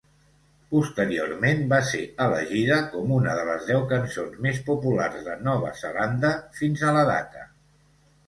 Posteriorment, va ser elegida com una de les deu cançons més populars de Nova Zelanda fins a la data.